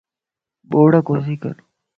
ٻوڙَ ڪوسي ڪر